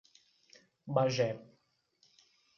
Bagé